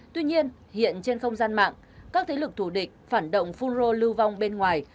tuy nhiên hiện trên không gian mạng các thế lực thù địch phản động phun rô lưu vong bên ngoài